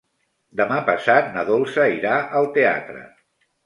Demà passat na Dolça irà al teatre.